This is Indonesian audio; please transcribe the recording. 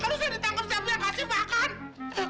kalau saya ditangkap siapa yang kasih makan